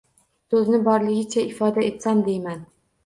So‘zni borligicha ifoda etsam deyman.